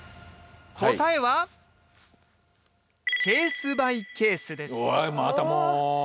答えはおいまたもう。